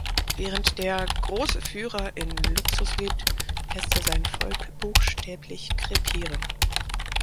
Während der "Große Führer" in Luxus lebt, lässt er sein Volk buchstäblich krepieren.